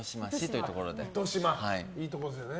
いいところですよね。